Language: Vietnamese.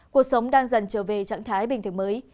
cuộc sống đang dần trở về trạng thái bình thường mới